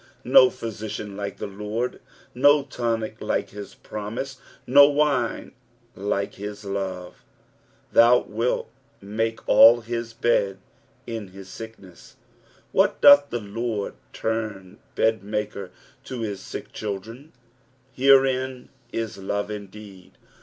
No physician like the Lord, no tonic like his promise, no wine hke his love. " Thou wilt make aU Ait bed in hi* tietaem." What, doth the Lord turn bedmaker to his sick children ! Herein is love indeed.